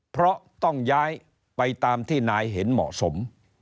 เพราะต้องย้ายไปตามที่นายเห็นเหมาะสม